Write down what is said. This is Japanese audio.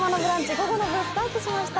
午後の部スタートしました。